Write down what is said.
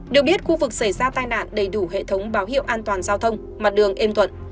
được biết khu vực xảy ra tai nạn đầy đủ hệ thống báo hiệu an toàn giao thông mặt đường êm thuận